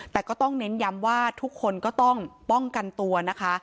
แต่ก็ต้องเน้นย้ำว่าทุกคนก็ต้องป้องกันตัวนะคะ